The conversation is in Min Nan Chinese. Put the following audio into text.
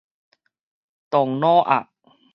唐老鴨